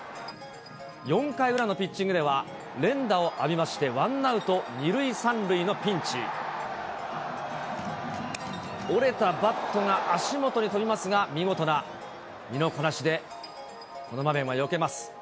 ４回裏のピッチングでは、連打を浴びまして、ワンアウト２塁３塁のピンチ。折れたバットが足元に飛びますが、見事な身のこなしで、この場面はよけます。